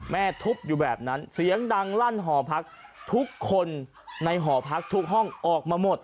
ทุบอยู่แบบนั้นเสียงดังลั่นหอพักทุกคนในหอพักทุกห้องออกมาหมด